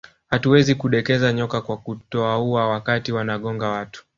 Hatuwezi kudekeza nyoka kwa kutowaua wakati wanagonga watu